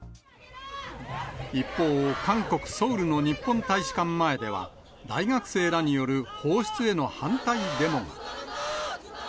一方、韓国・ソウルの日本大使館前では、大学生らによる放出への反対デモが。